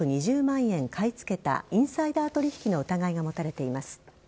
買い付けたインサイダー取引の疑いが持たれています。